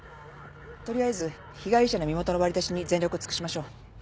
取りあえず被害者の身元の割り出しに全力を尽くしましょう。